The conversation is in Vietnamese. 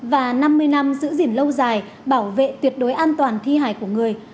và năm mươi năm giữ gìn lâu dài bảo vệ tuyệt đối an toàn thi hài của người